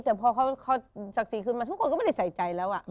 แต่พอเขาศักดิ์ศรีขึ้นมาทุกคนก็ไม่ได้ใส่ใจแล้ว